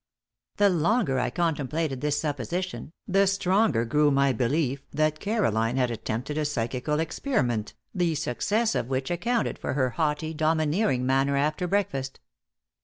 The longer I contemplated this supposition, the stronger grew my belief that Caroline had attempted a psychical experiment, the success of which accounted for her haughty, domineering manner after breakfast.